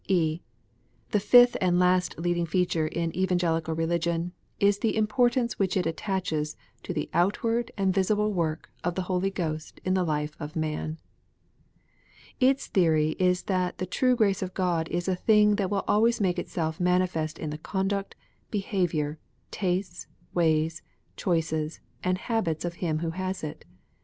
(e) The fifth and last leading feature in Evangelical Keligion is the importance which it attaches to the outward and visible work of the Holy Ghost in the life of man. Its theory is that the true grace of God is a thing that will always make itself manifest in the conduct, behaviour, tastes, ways, choices, and habits of him who has it.